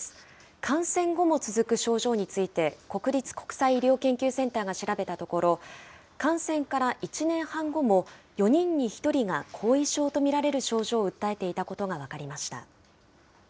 感染後も続く症状について、国立国際医療研究センターが調べたところ、感染から１年半後も４人に１人が後遺症と見られる症状を訴えていたことが分かりました。